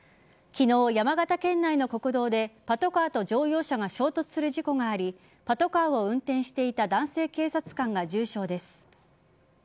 昨日、山形県内の国道でパトカーと乗用車が衝突する事故がありパトカーを運転していた男性警察官が重傷です。